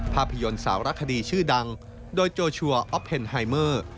ภาพยนตร์สารคดีชื่อดังโดยโจชัวร์ออฟเพนไฮเมอร์